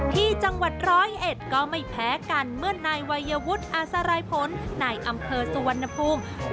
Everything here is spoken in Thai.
ที่จังหวัดร้อยเอ็ดก็ไม่แพ้กันเมื่อนายวัยวุฒิอาสรายผลในอำเภอสุวรรณภูมิ